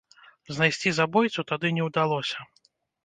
Знайсці забойцу тады не ўдалося.